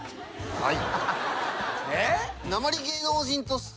はい。